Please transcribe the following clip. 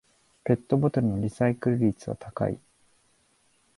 ペットボトルのリサイクル率は高い